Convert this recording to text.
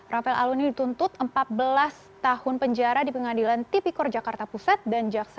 rafael alun dituntut empat belas tahun penjara di pengadilan tipikor jakarta pusat dan jaksa